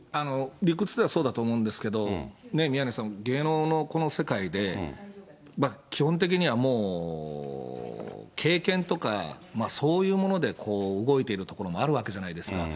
理屈ではそうだと思うんですけど、宮根さん、芸能のこの世界で、基本的にはもう経験とか、そういうもので動いているところもあるわけじゃないですか。